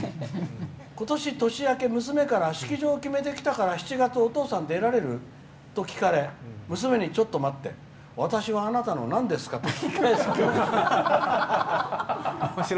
ことし年明け、娘から式場を決めてきたから７月お父さん、出られる？と聞かれ娘にちょっと待って私は、あなたのなんですか？と聞き返しました。